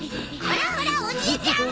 ほらほらおじいちゃん。